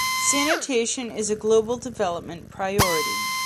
Sanitation is a global development priority.